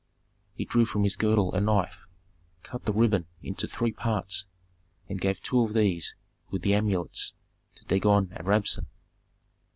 He drew from his girdle a knife, cut the ribbon into three parts, and gave two of these with the amulets to Dagon and Rabsun.